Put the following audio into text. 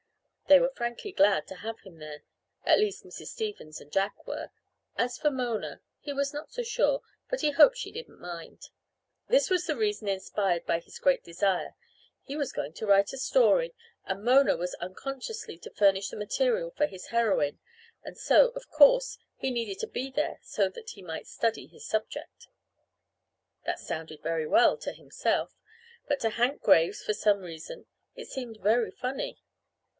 They were frankly glad to have him there; at least Mrs. Stevens and Jack were. As for Mona, he was not so sure, but he hoped she didn't mind. This was the reason inspired by his great desire: he was going to write a story, and Mona was unconsciously to furnish the material for his heroine, and so, of course, he needed to be there so that he might study his subject. That sounded very well, to himself, but to Hank Graves, for some reason, it seemed very funny.